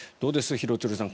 廣津留さん。